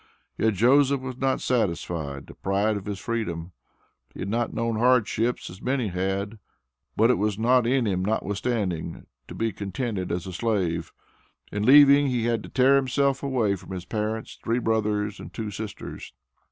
Yet, Joseph was not satisfied, deprived of his freedom. He had not known hardships as many had, but it was not in him notwithstanding, to be contented as a slave. In leaving, he had to "tear himself away" from his parents, three brothers, and two sisters.